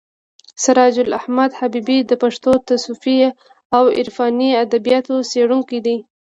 سراج احمد حبیبي د پښتو تصوفي او عرفاني ادبیاتو څېړونکی دی.